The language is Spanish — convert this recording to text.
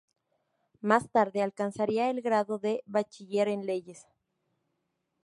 Más tarde alcanzaría el grado de bachiller en Leyes.